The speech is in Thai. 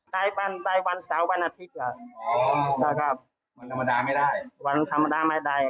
ไปวันเสาร์วันอาทิตย์อ่ะอ๋อใช่ครับวันธรรมดาไม่ได้วันธรรมดาไม่ได้